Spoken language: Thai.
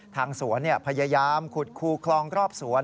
ทางสวนพยายามขุดคูคลองรอบสวน